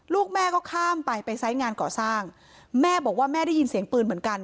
ลูกแม่ก็ข้ามไปไปไซส์งานก่อสร้างแม่บอกว่าแม่ได้ยินเสียงปืนเหมือนกัน